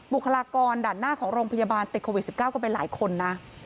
คลากรด่านหน้าของโรงพยาบาลติดโควิด๑๙กันไปหลายคนนะ